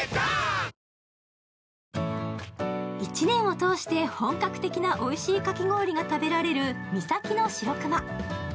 １年を通して本格的なおいしいかき氷が食べられるミサキのシロクマ。